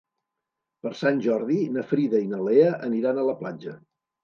Per Sant Jordi na Frida i na Lea aniran a la platja.